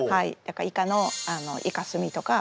イカのイカスミとか。